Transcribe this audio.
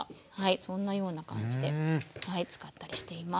そんなような感じで使ったりしています。